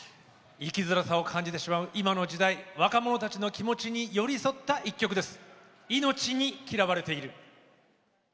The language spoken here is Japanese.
生きづらさを感じてしまう今の時代若者たちの気持ちに寄り添った１曲です。